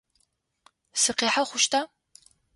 Сыкъихьэ хъущта?